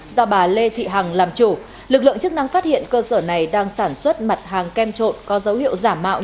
xin chào các bạn